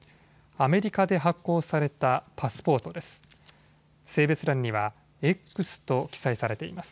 アメリカで発行されたパスポートです。